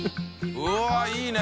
うわっいいね！